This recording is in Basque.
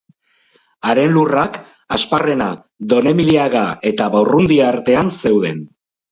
Haren lurrak Asparrena, Donemiliaga eta Barrundia artean zeuden.